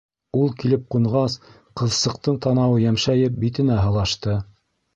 Ул килеп ҡунғас, ҡыҙсыҡтың танауы йәмшәйеп, битенә һылашты.